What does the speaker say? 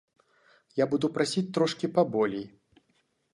Я буду прасіць трошкі паболей.